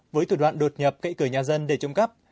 với thủ đoạn đột nhập cậy cửa nhà dân để trộm cắp